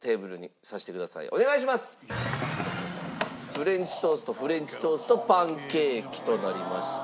フレンチトーストフレンチトーストパンケーキとなりました。